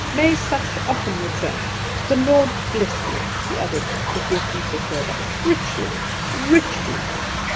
May such often return. The Lord bless you!" he added, with yet deeper fervour, "richly, richly."